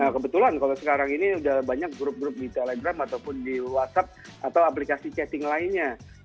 kebetulan kalau sekarang ini sudah banyak grup grup di telegram ataupun di whatsapp atau aplikasi chatting lainnya